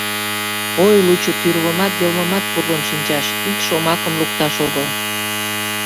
Ой, лучо тӱрвымат, йылмымат пурлын шинчаш, ик шомакым лукташ огыл.